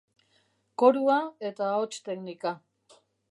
Korua eta Ahots Teknika